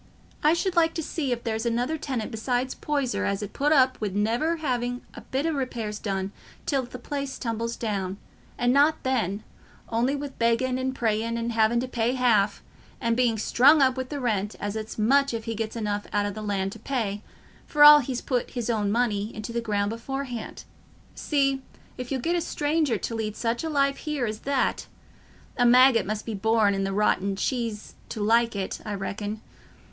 I should like to see if there's another tenant besides Poyser as 'ud put up wi' never having a bit o' repairs done till a place tumbles down—and not then, on'y wi' begging and praying and having to pay half—and being strung up wi' the rent as it's much if he gets enough out o' the land to pay, for all he's put his own money into the ground beforehand. See if you'll get a stranger to lead such a life here as that: a maggot must be born i' the rotten cheese to like it, I reckon.